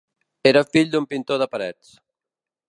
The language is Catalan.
Era fill d'un pintor de parets.